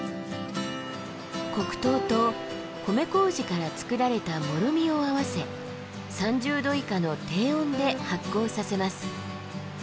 黒糖と米こうじから造られたもろみを合わせ３０度以下の低温で発酵させます。